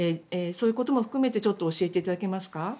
そういうことも含めてちょっと教えていただけますか。